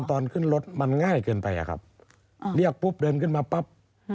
ตอนขึ้นรถมันง่ายเกินไปอะครับเรียกปุ๊บเดินขึ้นมาปั๊บ